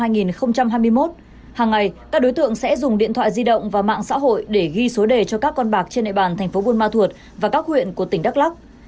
năm hai nghìn hai mươi một hằng ngày các đối tượng sẽ dùng điện thoại di động và mạng xã hội để ghi số đề cho các con bạc trên địa bàn thành phố bùa ma thuật và các huyện của tỉnh đắk lắk